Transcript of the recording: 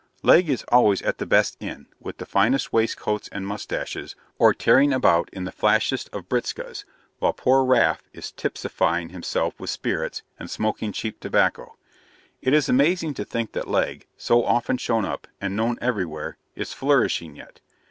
Legg is always at the best inn, with the finest waistcoats and moustaches, or tearing about in the flashest of britzkas, while poor Raff is tipsifying himself with spirits, and smoking cheap tobacco. It is amazing to think that Legg, so often shown up, and known everywhere, is flourishing yet.